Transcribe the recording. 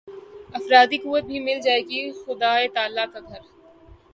افرادی قوت بھی مل جائے گی خدائے تعالیٰ کا گھر